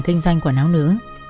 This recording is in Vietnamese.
kinh doanh quản áo nữ